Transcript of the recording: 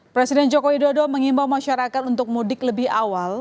presiden joko widodo mengimbau masyarakat untuk mudik lebih awal